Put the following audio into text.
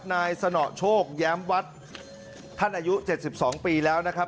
นายสนโชคแย้มวัดท่านอายุ๗๒ปีแล้วนะครับ